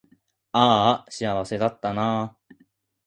あーあ幸せだったなー